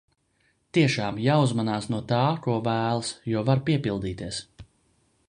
Tiešām, jāuzmanās no tā, ko vēlas, jo var piepildīties.